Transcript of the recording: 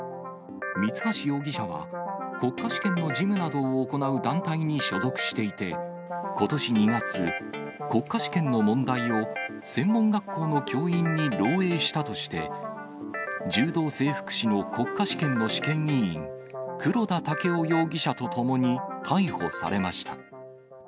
三橋容疑者は、国家試験の事務などを行う団体に所属していて、ことし２月、国家試験の問題を専門学校の教員に漏えいしたとして、柔道整復師の国家試験の試験委員、黒田剛生容疑者とともに逮捕されました。